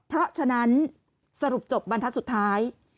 เพราะฉะนั้นสรุปจบบรรทัศน์สุดท้าย